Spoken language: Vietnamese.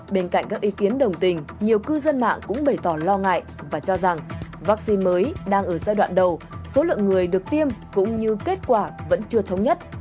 bên cạnh các ý kiến đồng tình nhiều cư dân mạng cũng bày tỏ lo ngại và cho rằng vaccine mới đang ở giai đoạn đầu số lượng người được tiêm cũng như kết quả vẫn chưa thống nhất